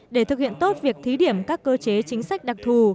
để thực hiện tốt việc thí điểm các cơ chế chính sách đặc thù